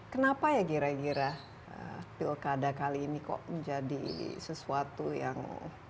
kenapa ya kira kira pilkada kali ini kok menjadi sesuatu yang